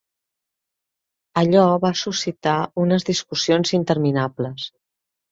Allò va suscitar unes discussions interminables.